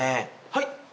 はい。